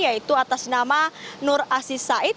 yaitu atas nama nur asi said